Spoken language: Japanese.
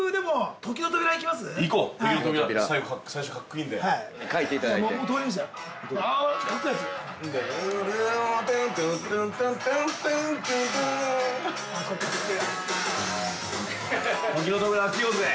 「時の扉」開けようぜ。